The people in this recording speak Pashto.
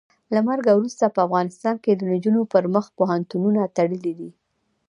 له مرګه وروسته په افغانستان کې د نجونو پر مخ پوهنتونونه تړلي دي.